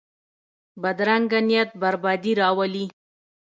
بدرنګه نیت بربادي راولي